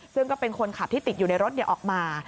ซึ่งก็เป็นคนขับที่ติดอยู่ในรถออกมา